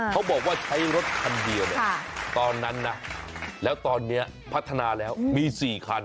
เขาบอกว่าใช้รถคันเดียวเนี่ยตอนนั้นนะแล้วตอนนี้พัฒนาแล้วมี๔คัน